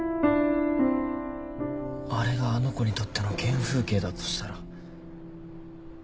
あれがあの子にとっての原風景だとしたら。